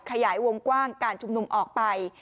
ขยายวงกว้างการชุมนุมออกไป